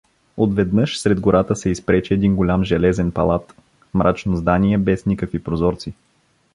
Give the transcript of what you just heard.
Отведнъж сред гората се изпречи един голям железен палат, мрачно здание без никакви прозорци.